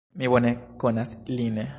Mi bone konas lin.